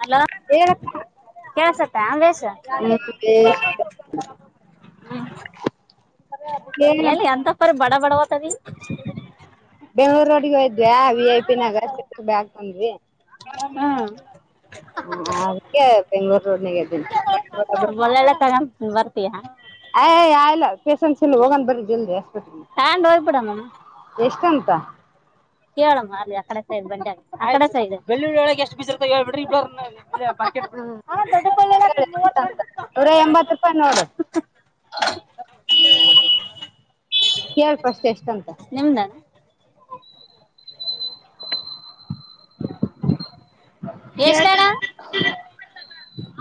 Hello ಹೇಳಕ್ಕ ಕೆಲಸುಸ್ತಿತ ಬೇಸ್. ಹ್ಮ್ ಹ್ಮ ಏನ ಎಲ್ಲಿ ಎಂತಪ್ಪರಿ ಬಡ ಬಡವತದ. ಬೆಂಗ್ಳೂರ್ ರೋಡ್ಗ ಹಯದ್್ಯಾ ವಿ ಐ ಪಿ ನಾಗ ಬ್ಯಾಾಗ ತನ್್ರಿ. ಹ್ಮ-. ಹ ಅದಕ್ಕೆ ಬೆಂಗ್ಳೂರು ರೋಡ್ನಿಗೆ ಇದ್ದೀನಿ. ಒಳ್ಳೆಲ್ಲ. [inaudible] ತೀಯ. ಯ್ ಇಲ್ಲ ಪೇಷಂಟ್ಸ್ ಎಲ್ಲಿ ಹೋಗಂದ್ ಬರಿ ಜಲ್ದಿ ಆಸ್ಪತ್ರೆ. ಟ್ಯಾಂಡ್ ಹೋಗ್ಬಡ ಮ. ಎಷ್ಟ ಎಂತ. ಕೇಳಮ್ಮ ಅಲಿ ಆ ಕಡೆ ಸ ಇ್ ಬಂಡ ಆ ಕಡೆ ಸಾಯ ಇದೆ ಬೆಳ್ಳುಳ್ಳ ಒಳಗೆ ಎಷ್ಟ ಬ. ನೂರ ಎಂಬತ್ ರೂಪಾಯಿ ನೋಡು [inaudible] [inaudible] [unintelligible] ಕೇಳ್ಪ ಅಷ್ಟೆ ಎಷ್ಟಂತ. ನಿಮ್ದಾನ. ಕೇಳ್ [unintelligible]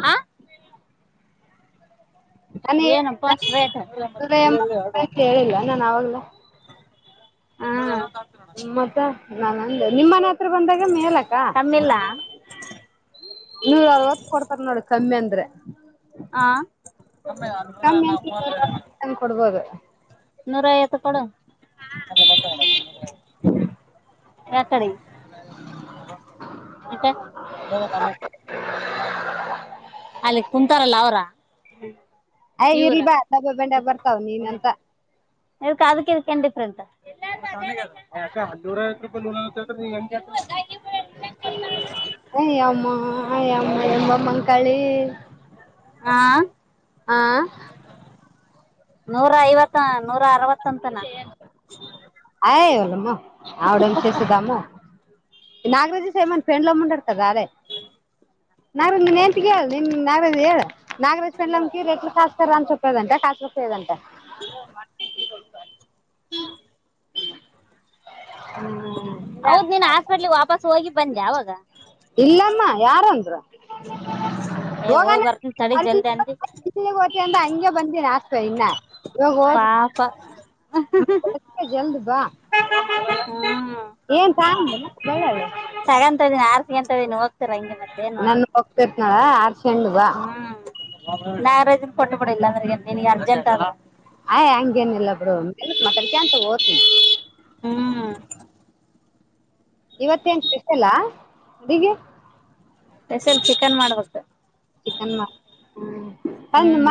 ಆ ನಾನು ಏನು ಅಪ್ಪ ಹೇಳಿಲ್ಲ ಅಷ್ಟ್ ರೇಟ್. ನೂರ ಎಂಬತ್ ರೂಪಾಯಿ ಕೇಳಿಲ್ಲ ನಾನು ಅವಾಗ್ಲೇ ಹ್ಮ- ಮತ್ತ ನ ನಿಮ್ಮ ಮನೆ ಹತ್ರ ಬಂದಾಗ ಮೇಲಕ್ಕ. ಕಮ್ಮಿಲ್ಲ ನೂರ್ ಅರವತ್ತು ಕೊಡ್ತಾರ ನೋಡಿ ಕಮ್ಮಿ ಅಂದ್ರೆ. [inaudible] ನ್ ಕೊಡ್ಬೋದು. ನೂರ ಐವತ್ತು ಕೊಡ. [inaudible] [inaudible] ಅಲ್ಲಿ ಕುಂತಾರಲ್ಲ ಅವರ. ಅಯ್ ಇರಿ ಬಾ ಡಬ ಬೆಂಡೆ ಬರ್ತಾವ ನೀನ್ಂತ. ಇ ಅದಕ್ಕೆಂಡಿಫ್ರಂತ. [inaudible] ಅಯ್ಯಮ್ಮ ಅಯ್ಯಮ್ಮ ಎಂಬಮ್ಮ ಕಾಳಿ. ಹಾ- ಹಾ- ನೂರ ಐವತ್ತ ನೂರ ಅರವತ್ತ ಅಂತನ. [inaudible] [inaudible] ನಾ ನೆಂತೇಳ ಹೇಳಿ ನಿ ನಾರದ ಹೇಳಿ. [unintelligible] [inaudible] [inaudible] ಹ್ಮ್ತ- ಹೌದ್ ನೀನ್ ಹಾಸ್ಪಿಟ್ಲಿಗೆ ವಾಪಸ್ ಹೋಗಿ ಬಂದೆ ಅವಾಗ ಇಲ್ಲಮ್ಮ ಯಾರಂದರು. [unintelligible] ಏ ಹೋಯ್ ಬರ್ತನ ತಡಿ ಜಲ್ದಿ ಅ. ಹಓ್ತ ಅಂತ ಹಂಗೆ ಬಂದೇಿ ಆಾಸ್ತ ಇವಾಗ ಹದ. [unintelligible] ಆಪ. ಜಲ್ದ್ ಬಾ ಹ್ಮ್ ಏನ್ [unintelligible] ತಗಂತಾಯಿದಿನಿ ಆರತಿ ಹಂತಾವ ಇನ್ ಹೋಗ್ತಿರಂಗೆ ಮತ್ತೇನ್ ಮಾಡುದು ಹೋಗ್ತೀರ್ತನಾ ಆರ್ಸ್ಡೆಂಡ ಬಾ ಹ್ಮ್ ಮ್ಯಾರೇಜನ್ ಕೊಟ್ ಬಿಡ ಇಲ್ಲಂದ್ರ ನಿನಗ ಅರ್ಜೆಂಟ್ ಆದ್ರ ಆಯ್ ಹಂಗೆನಿಲ್ಲ ಬಿಡು [unintelligible] ಮಾತಾಡ್ಕೆಂತ ಓತ್ನಿ ಹ್ಮೂ. ಇವತ್ತೇನ್ ಸ್ಪೆಷಲ್ಲಾ ಅಡಿಗಿ ಸ್ಪೇಷಲ್ ಚಿಕನ್ ಮಾಡ್ಬೇಕ್. ಚಿಕನ್ ಹ್ಮ್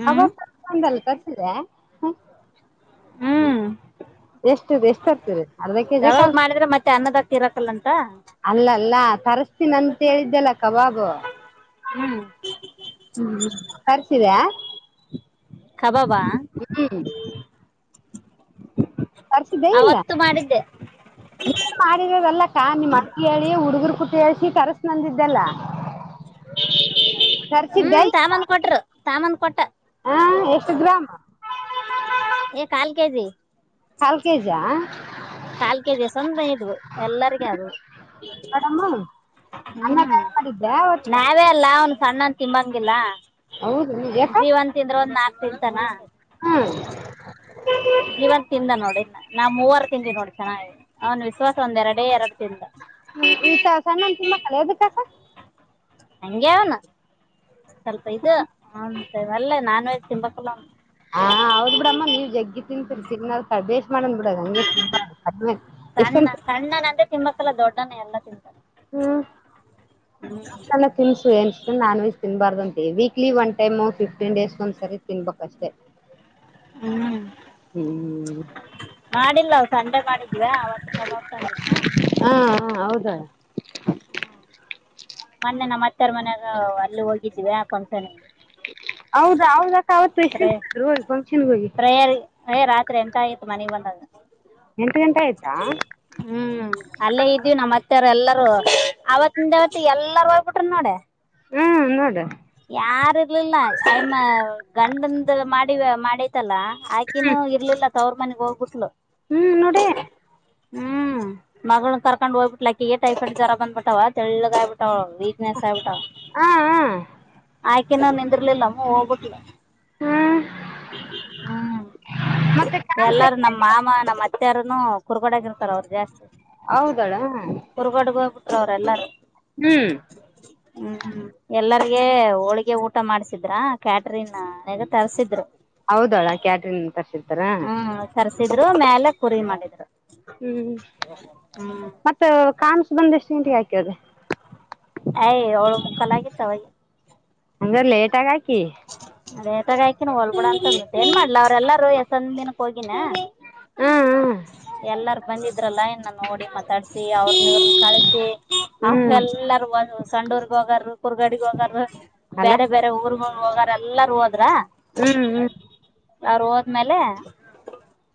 ಹ್ಮ್ [unintelligible] ತರಸ್ಸಿರ್ಯಾ ಹ್ಮ್ ಎಷ್ಟಿದೆ ಎಷ್ಟ್ ಹಾಕ್ತಿರಿ ಅರ್ಧ ಕೆಜಿ ಕಬಾಬ್ ಕಾಲ್ [inaudible] ಮಾಡಿದ್ರೆ ಮತ್ತೆ ಅನ್ನದಾಗ ತಿರಕಲ್ಲಂತ ಅಲ್ಲ ಅಲ್ಲಾ ತರಸ್ತೀನಿ ಅಂತ ಹೇಳಿದ್ದೆಲ್ಲಾ ಕಬಾಬು ಹ್ಮ್ [inaudible] ಹ್ಮ ತರ್ಸಿದ್ಯಾ. ಕಬಾಬಾ ಹ್ಮ. ತರ್ಸಿದೆ ಇಲ್ಲಾ ಅವತ್ತು ಮಾಡಿದ್ದೆ [unintelligible] ಅಲ್ಲಕ್ಕಾ ನಿಮ್ಮಕ್ಗ್ ಹೇಳಿ ಹುಡುಗರು ಕುಟ ಹೇಳ್ಸಿ ಕರ್ಸತ್ನ್ ಅಂದಿದ್ದೆಲ್ಲಾ [inaudible] ಹ್ಮ್ ತಾಮನ್ ಕೊಟ್ರು ತಾಮನ್ ಕೊಟ್ಟಾ ಹಾ ಎಷ್ಟ ಗ್ರಾಮ್ ಏ ಕಾಲ್ ಕೆ ಜಿ. ಕಾಲ್ ಕೆ ಜಿ ಆಆ ಕಾಲ್ ಕೆ ಜಿ ಸಂನಗ್ ಇದ್ವು ಎಲ್ಲರಿಗೂ ಅದ್ವೂ ಮೇಡಮ್ಮು [unintelligible] [inaudible] ಅನ್ನ ಹ್ಮ್ ಬೇಳೆ ಮಾಡಿದ್ದೆ ಅವತ್ತು ನಾವೇ ಅಲ್ಲಾ ಅವನ್ ಸಣ್ಣನ್ ತಿಂಬಂಗಿಲ್ಲಾ ಹೌದನ ಯಾಕ ತಿಂತಾನ [inaudible] ಹ್ಮ ತಿನ್ನಲ್ಲ್ ನೋಡ ನಾ ಮೂವರು ತಿಂದ್ವಿ ನೋಡ ಚೆನ್ನಾಗಿ ಐತಿ ಅವನ್ ವಿಶ್ವಾಸ ಒಂದ ಎರಡೇ ಎರಡ ತಿಂದಾ. ಈತ ಸಣ್ಣನ್ ತಿಂಬಕಿಲ್ಲ ಎದುಕಕಾ ಹಂಗೆ ಅವನ್ [inaudible] ಸ್ವಲ್ಪ ಇದ ಅವನ್ ವಲ್ಲೆ ನಾನ್ ವೆಜ್ ತಿಂಬಕಿಲ್ಲ ಅವನ್ ಹಾ ಹಾ ಹೌದ್ ಬಿಡಮ್ಮ್ ನೀವು ಜಗ್ಗಿ ತಿಂತಿತಿರಿ ಮಾಡಂದ್ ಬಿಡ ನಮಗೆ [unintelligible] ಸಣ್ಣನಂದೆ ತಿನ್ಂಬಕ್ಕಲ್ಲ ದೊಡ್ಡವನೆ ಎಲ್ಲ ತಿಂತಾನ ಹ್ಮ್ ಹ್ಮ [unintelligible] ತಿನ್ಸು ಏನ್ ನಾನ್ ವೆಜ್ ತಿನ್ಬಾರ್ದ ಅಂತೆ weekly one time fifteen days ಒಂದ್ಸಾರಿ ತಿನ್ಬೇಕು ಅಷ್ಟೆ. ಹ್ಮೂ ಹ್ಞೂ [inaudible] ಮಾಡಿಲ್ಲ ಅವ ಸಂಡೆ ಮಾಡಿದ್ವಾ ಅವತ್ತು ಕಬಾಬ್ ತಂದಿದ್ನಾ ಹಾ ಹಾ ಹೌದ ಮನ್ನೇ ನಮ್ಮ ಅತ್ತ್ಯಾರ್ ಮನೆಯಾಗ ಅಲ್ಲಿ ಹೋಗಿದ್ವಿ ಫಂಕ್ಷನ್ ಗೆ ಹೌದಾ ಹೌದಕ್ಕಾ ಅವತ್ತು ಎಷ್ಟ ಗಂಟೆಗೆ ಬಂದ್ರಿ ಹೋಗಿ ಫಂಕ್ಷನ್ಗೆ ಹೋಗಿ. ಐಯ್ ರಾತ್ರಿ ಎಂಟಾಯ್ತಿ ಮನೆಗ್ ಬಂದಾಗ ಎಂಟ ಗಂಟೆ ಆಯ್ತಾ ಹ್ಮ್ಹೂ. ಅಲ್ಲೇ ಇದ್ದೀವಿ ನಮ್ಮತ್ತ್ಯಾರ ಎಲ್ಲಾರೂ ಅವತ್ತಿಂದ ಅವತ್ ಎಲ್ಲಾರ ಹೋಗ್ಬಿಟ್ರ ನೋಡ. ನೋಡ. ಯಾರ ಇರ್ಲಿಲ್ಲ ಆಯಮ್ಮ ಗಂಡಂದ ಮಾಡಿವ ಮಾಡೆತಲ್ಲಾ ಹ್ಮ್ ಆಕಿನೂ ಇರ್ಲಿಲ್ಲ ತವ್ರ ಮನೆಗ್ ಹೋಗ್ಬಿಟ್ಲು ಹ್ಮ್ ನೋಡೆ ಹ್ಮ್, ಮಗಳನ್ ಕರ್ಕೊಂಡ್ ಹೋಗ್ಬಿಟ್ಲ ಅಕ್ಕಿ ಟೈಫೈಡ್ ಜರ ಬಂದ ಬಿಟ್ಟವ್ ತೆಳ್ಳಗ್ಯಾಗಿಬಿಟ್ಟಳ ವೀಕ್ನೆಸ್ ಆಯ್ಬಿಟ್ಟ. ಹಾ ಹ [unintelligible] ಆಕಿನು ನಿಂದಿರ್ಲಿಲ್ಲಮ್ಮ ಹೋಗಬಿಟ್ಲು. ಹ್ಮ್ ಹ್ಮ್, ಮತ್ತೆ ಕಾನ್ಸ ಎಲ್ಲಾರ ನಮ್ಮ ಮಾಮ ನಮ್ಮ ಅತ್ತೆರನು- ಕುರಿಗೋದಾಗಿರ್ತಾರ ಅವ್ರು ಜಾಸ್ತಿ ಹೌದಳೋ [unintelligible] ಕುರ್ಗೋಡಿಗೆ ಹೋಗ್ಬಿಟ್ರು ಅವ್ರ್ ಎಲ್ಲಾರ. ಹ್ಮ್, ಹ್ಮ್, ಹ್ಮ್ ಎಲ್ಲರ್ಗಿ ಹೋಳಿಗೆ ಊಟ ಮಾಡ್ಸಿದ್ರ ಕ್ಯಾಟ್ರೀನ್ನಾಗ ತರ್ಸಿದ್ರು. ಹೌದು ಕ್ಯಾಟ್ರಿನ್ ತರ್ಸಿತಾರ. - ಹ್ಮ್ ತರ್ಸಿದ್ರು ಮೇಲೆ ಪುರಿ ಮಾಡಿದ್ರು. - ಹ್ಮ್, ಮತ್ತ ಕನ್ಸ ಬಂದ ಎಷ್ಟ [unintelligible] ಇಂಟಿಗೆ ಹಾಕ್ಯದೆ. ಏಯ್ ಏಳು ಮುಕ್ಕಾಲಾಗಿತ್ತು. ಅಂದ್ರ ಲೇಟಾಗಿ ಹಾಕಿ ಲೇಟಾಗಿ ಹಾಕಿನೀ ಹೊಗಲ್ಬೀಡು ಅಂತಂದತ್ತ ಏನ್ ಮಾಡ್ಲಿ ಅವ್ರೆಲ್ಲರು ಹೆಸಂದಿನಾ ಹೋಗಿನ ಹ್ಮ್ ಎಲ್ಲಾರ ಬಂದಿದ್ರಲ್ಲ ಇನ್ನು ನೋಡಿ ಮತ್ತ ತಡ್ಸಿ ಅವ್ರ ಕಳಸಿ ಹ್ಮ್ ಅವ ಹ್ಮ್ ಎಲ್ಲರೂ ಸಂಡೂರ್ಗ ಹೋಗರು [unintelligible] ಕುರ್ರ್ಗಾಡಿಗೆ ಹೋಗಾರ ಅಲ್ಲ ಬೇರೆ ಬೇರೆ ಊರ್ ಹೋಗಾರ ಎಲ್ಲಾರ ಹೋದ್ರಾ ಹ್ಮ್, ಅವ್ರು ಹೋದ್ಮೇಲೆ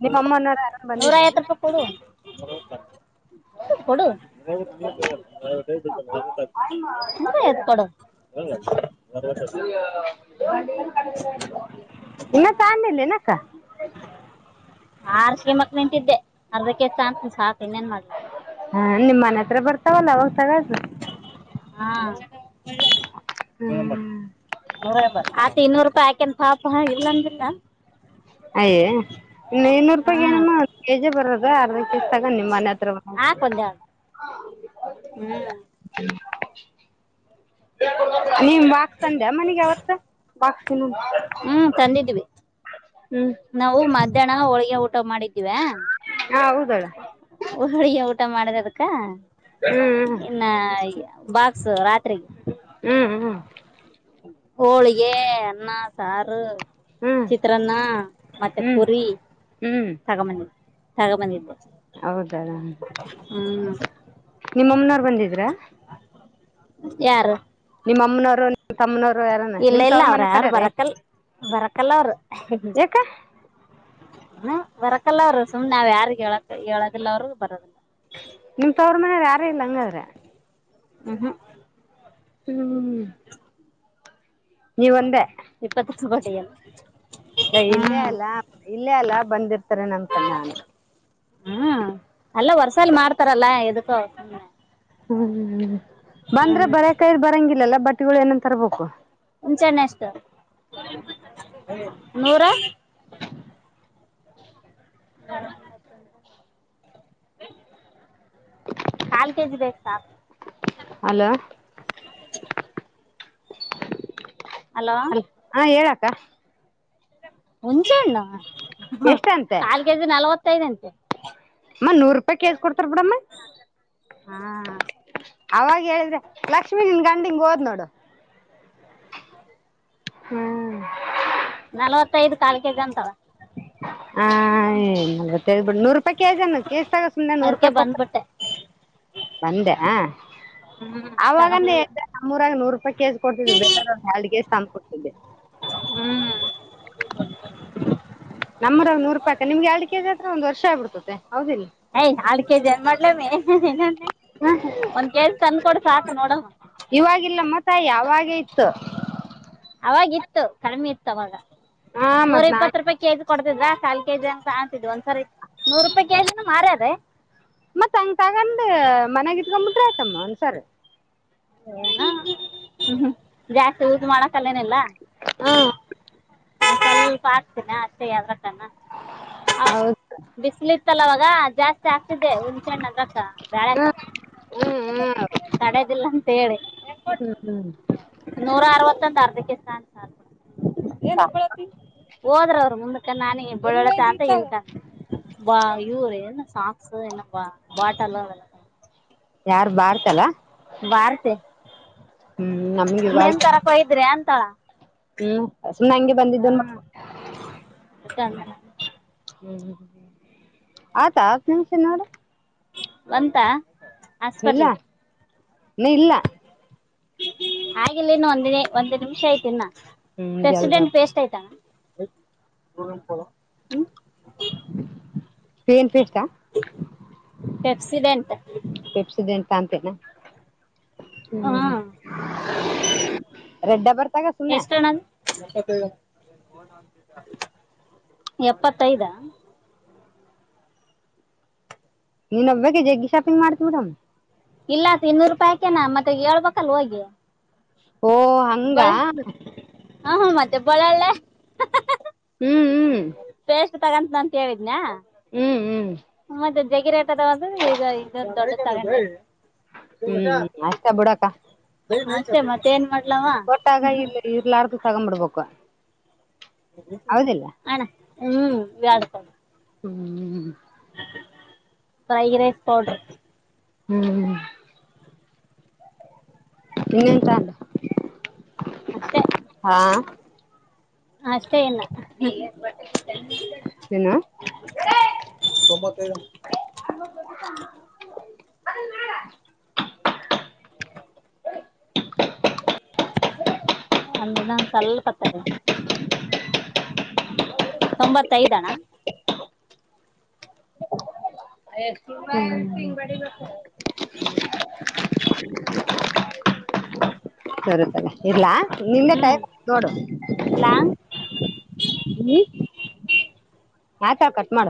ನಿಮ್ಮ ಅಮ್ಮನವ್ರ ಯಾರನ್ ನೂರ ಬಂದಿದ್ರ ಐವತ್ ರೂಪಾಯಿಗಿ ಕೊಡು ಕೊಡ ಕೊಡೋ [unintelligible] ಹ [unintelligible] ಎನ್ನತಂದಿಲ್ಲೆಣಕ [unintelligible] ಅರ್ಸಾಕೆಣಕ ನಿಂತಿದ್ದೆ ಅರ್ಧ ಕೆಜಿ ಸಾಕು ಇನ್ನೇನ್ ಮಾಡ್ಲಿ ಹಾ, ನಿಮ್ಮ್ ಮನೆ ಹತ್ರ ಬರ್ತಾವಲ್ಲ ಅವಾಗ ತಗ ಹಾಂಬ ಹ್ಮ್ [unintelligible] ಆತ್ ಇನ್ನೂರು ರೂಪಾಯಿ ಆಕಿನ್ ಪಾಪ ಇಲ್ಲಂತಿಲ್ಲಾ. ಅಯ್ಯಯ್ಯಇನ್ನು ಇನ್ನೂರು ರೂಪಾಯ ಹ್ಮ್ ಏನಮ್ಮ ಒ ಕೆಜಿ ಬರದು ಅರ್ಧ ಕೆಜಿ ತಗೊಂಡಿನಿ ನಿಮ್ ಮನೆ ಹತ್ರ ಹಾಕ್ ಒಂದೆರಡು ಹ್ಮ್, ನಿಮ ಮಾಕ್ತಂಡೆ ಮನಗೆ ಅವಾವತ್ತ [unintelligible] ಬಾಕನು [unintelligible] ಹ್ಮ್, ತಂದಿದ್ದೀವಿ. ಹ್ಮ್, ನಾವು ಮಧ್ಯಾಹ್ನ ಹೋಳಿಗೆ ಊಟ ಮಾಡಿದ್ದಿವ್ಯಾ ಹಾ, ಹೌದು ಹೋಳ್ಗೆ ಊಟ ಮಾಡಿದದಕ. ಹ್ಮ್, ಬಾಕ್ಸ್ ರಾತ್ರಿಗಿ ಹ್ಮ್, ಹ್ಮ್ ಹೋಳಿಗೆ, ಅನ್ನ, ಸಾರು ಹ್ಮ್ ಚಿತ್ರಾನ್ನ ಮತ್ತೆ ಹ್ಮ್ ಪುರಿ ಹ್ಮ್ ತಗಬಂದಿದ್ದ, ತಗಬಂದಿದ್ದೆ. ಹೌದಾ! ನಿಮ್ಮಮ್ಮನವರು ಬಂದಿದ್ರಾ? ಯಾರು. ನಿಮ್ಮಮ್ಮನವರು ನಿಮ್ಮ ತಮ್ಮನವರು. ಯಾರನ ಇಲ್ಲ ನಿಮ್ ಇಲ್ಲ ತವ್ರ ಅವ್ರ ಮನೆ ಯಾರು ಕಡೆರೆ ಬರಕಲ್ ಬರಕಲ್ಲ ಅವರು. ಯಾಕ ಹ ಬರಕಲ್ಲ ಅವ್ರರು ಸುಮ್ನೆ ನಾವ್ ಯಾರಿಗ್ ಹೇಳಕ್ ಹೇಳದಿಲ್ಲ ಅವ್ರಗ ಬರದಿಲ್ಲ. ನಿಮ್ ತವರು ಮನೇ ಯಾರ ಇಲ್ಲ ಹಂಗಾದ್ರೆ. ಹ ಹ- ಹ್ಮ್- ನೀವ ಒಂದೇ. ಇಪ್ಪತ್ತತ್ತು. [inaudible] [unintelligible] ಇಲ್ಲೇ ಅಲ್ಲ ಇಲ್ಲೇ ಅಲ್ಲ ಬಂದಿರ್ತಾರೆ ನಮ ಕಣ್ಣ ನಾನು. ಹ್ಮ್ ಅಲ್ಲ ವರ್ಷಾಲ ಮಾಡ್ತಾರಲ್ಲಾ ಇದಕ್ಕು. ಹ್ಮ್ ಬಂದ್ರೆ ಹ್ಮ್ ಬರಕಾಯ ಬರಂಗಿಲ್ಲಲ್ಲ ಬಟ್ಟಿಗಳು ಏನನ್ ತರ್ಬೇಕು. ಮುಂಚೆ್ಣೆ ಅಷ್ಟು ನೂರ. ಕಾಲ್ ಕೆಜಿ ಬೇಕಸ. ಹಲೋ. [inaudible] ಹಲೋ ಅ ಹ ಹೇಳಾಕ್ಕ. ಹುಂಚೆ ಹಣ್ಣು ಎಷ್ಟ ಅಂತೆ ಕಾಲ್ ಕೆಜಿ ನಲ್ವತ್ತೈದಂಟ. ಅಮ್ಮ ನೂರು ರೂಪಾಯಿ ಕೆಜ ಕೊಡ್ತಾರ ಬಿಡಮ್ಮ. ಹಾ ಅವಾಗ ಹೇಳಿದ್ರೆ ಲಕ್ಷ್ಮೀ ನಿನ್ ಗಂಡಿಂಗ ಓದ್ ನೋಡು. ಹ್ಮ್- ನಲವತ್ತೈದು ಕಾಾಲಕ ಗ ಅಂತವ. ಹ್್ ನಲ್ವತ್ತೈ್ ಬಿು ನೂರು ರೂಪಾಯಿ ಕೆಜ ಕೇಜ ತಗೋ ಸುಮನೆ ನೂರು ಅದಕ್ಕೆ ರೂಪಾಯಿ ಕೊಟ್ಟ. [inaudible] ಬಂದೆ ಆ ಹ್ಮ್ ಅವಾಗ. ತಗಂಬಲಿಲ್ಲ ತಮ್ಮೂರಾಗ ನೂ ರೂಪಾಯಿ ಕೆಜಿ ಕೊಡ್ತಿದ್ ಬೇೇಕ ಒ ಎರಡ್ ಕೆಜಿ ತಮ್ಮ್ ಕೊಡ್ತಿದ್. ಹ್ಮ್- ನಮ್ಮರ ಒ್ೂ ರೂಪಾಯಿಕ ನಿಮ್ ಎರಡು ಕೆಜಿ ಹತ್ರ ಒಂದು ವರ್ ಆಗ್ಬಿಡ್ತತೆ ಹೌದಿಲ್ಲ. ಯ ಎರಡು ಕೆಜಿ ಅನ್ ಮಾಡ್ಲಮ್ಮಿ ಹ ಒಂದ್ ಕೆಜಿ ತಂದ ಕೊಡ ಸಾಕು ನೋಡ. ಇವಾಗಿಲ್ಲ ಮತ ಯಾವಾಗೇ ಇತ್ತು. ಅವಾಗಿ ಇತ್ತು ಕಡಿಮೆ ಇತ್ತು ಅವಾಗ ಹಾ ನೂರ ಮತ್ ನಾನ್ ಇಪ್ಪತ್ತು ರೂಪಾಯ ಕಗ. ಕೊಡ್ತಿದ್ದ ಕಾಲ್ ಕೆಜಿ ಅಂಗ ಕಾಣತಿದ್ ಒಂದ್ಸರಿ ನೂರು ರೂಪಾಯಿ ಕೆಜಿನ ಮಾರಿ ಅದೇ. ಮತ್ ಹಂಗ ತಗೊಂಡ್ ಮನೆಗಿಟ್ಕೊಂಡಂಬಿಟ್ರ ಆಯತಮ್ಮ ಒಂದ್ಸರಿ. ್ಮ ಜಾಸ್ತಿ ಊದ ಮಾಡಕಲ್ಲೇನಲ್ಲಾ. ಹಾ- ನ ಸ್ವಲ್ಪ ಆಾಕ್ತೀನೆ ಅಷ್ಟೇ ಯದ್ರಕಣ. ಹೌದು ಬಿಸಿಲಿ ಇತ್ತಲ್ಲ ಅವಾಗ ಜಾಸ್ತಿ. ಆಗ್ತಿದೆ ಹುಣ್ಚೆಣ್ಣ ಅದಕ್ಕ ಬೆಳಕ ಹ್ಮ ಹ್ಮ್ ತಡದಿಲ್ಲಂತ. ತೇಲಿ. ಹ್ಮ್ ಹ್ಮ್- ನೂರ ಅರವತ್ತೊಂದು ಅರ್ಧಕ್ಕೆ. ಏನ್ ಒಬ್ಲೆ ಅಡಿ ಹೋದ್ರವರು ಮುಂದಕ ನಾನಿ ಒಬ್ಬಳ್ಳಳತಿ ಆತ ಎಂತ. ಬಾ ಯೂರ್ ಸಾಕ್ಸ್ ಬಾ ಬಾಟಲ್ಲ. ಯಾರ್ು ಬಾರತಲಾ. ಬಾರ್ತೆ ನಮ್ಗೆ ಇವಾಗ ನಿಮ ತರಕ್ಯ್ರಿ ಅಂತಳ. ಹ್ಮ್ ಸುಮ್ನೆ ನಂಗೆ ಬಂದಿದ್ದನ್ ಮ. [inaudible] ಹ್ಮ್ ಹ್ಮ್ ಹ್ಮ್ ಆಯ್ತಾ ಆತ್ ನಿಮಷ ನೋಡ್ರಿ. ಬಂತ. ಇಲ್ಲ ಹಾಸ್ಪಿಟ್ಲ್ ನ ಇಲ್ಲ. ಹಾಗಿಲ್ಲ ಇನ್ನು ಒಂದ ಒಂದು್ ನಿಮಿಷ ಆಐತ ಇನ್ನ ಹ್ಮ್ ಎಲ್ರು ಪೆಸಡೆಂಡ ಪೇಸ್ಟ್ ಐ್ತಾನ. [unintelligible] ಪನ್ ಪೇಸ್ಾ. [inaudible] ಪೆಪ್ಸಿಡೆಂಟ್ ಪೆಪ್ಸದೆ ಎಂತ ಅಂತೇನಾ. ಹ್ಮ್ ರೆಡ್ಡ ಬರ್ತಾಗ ಸುಮ್ಮನೆ. ಎಪ್ಪತ್ತೈ. [unintelligible] ನೀನ್ ಒಬ್ಬಾಗ ಜಗ್ಿ ಶಾಪಂಗ್ ಮಾಡ್ತಿವಿಡ್. ಇಲ್ಲ ಸ ಇನ್ನೂರು ರೂಪಾಯಿಕನಾ ಮತ್ತೆ ಹೇಳ್ಬೇಕಲ್ ಹೋಗಿ. ಓ ಹಂಗ. ಬಳೆ ಹ ಹಾ ಮತ್ತೆ ಪಳಲ್ಲಾ. ಹ್ಮ್ ಹ್ಮ್- ಪೇಸ್ಟ್ ತಗಂತ ನಂತಂತ ಹೇಳಿದನ ಹ್ಮ್ ಹ್ಮ್ ಮತ್ತೆ ಜಗಿ. ಂದ್ರೆ ಈಗ ಈಗ ದೊಡ್ಡ ತಗೊಂಡ. ಹ್ಮ್ ಅಷ್ಟ ಬಿುಡಕ್ಕ. ಮತ್ತೆ ಮತ್ತೆ. ಏನ್ ಮಾಡ್ಲವಾ. ಕೊಟ್ಟಾಗ ಇರ್ಲಿ ಇರ್ಲಾರ್ದು ತಗ್ಂಬಿಡ್ಬೇಕು. ಅಣ್ಣ ಹ್ಮ್ ಬ್ಯಾಳ. ಹ್ಮ್್ಮ- ಹ್ಮ್- ಫ್ರೈ ರೈಸ್ ಪೌಡರ್. ಹ್ಮ್್ಮ- ಹಂಗಂತ ಅಲ್ಲ ಅಷ್ಟೇ ಹಾ. ಅಷ್ಟೇ ಇನ್ನ [inaudible] ತೊಂಬತ್ತೈರ. [inaudible] ಅ ನ ಒಂದ ಸ್ವಲ್ಪತ್ತ. ತೊಂಬತ್ತೈದಣ. [inaudible] ಎ ಸಿಂಗವಾಡಿ ಬ. [unintelligible] [inaudible] ಸರುತ್ತಲ್ಲ ಇಡ್ಲ ನಿಮ್ಗೆ ಕಾಯ ನೋಡು. ಲ - ಹ್ಮ- ಮಾಡ್ತಲ ಕಟ್ ಮಾಡ.